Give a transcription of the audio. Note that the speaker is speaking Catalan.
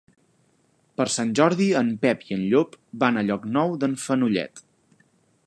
Per Sant Jordi en Pep i en Llop van a Llocnou d'en Fenollet.